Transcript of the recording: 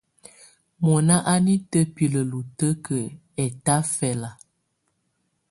Mɔ̀ná à ná itǝ́bilǝ́ lutǝ́kǝ́ ɛtafɛla.